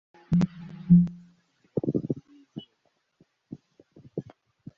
n itangwa ry amakuru no kugera ku makuru yizewe